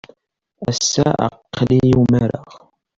Ass-a, aql-iyi umareɣ.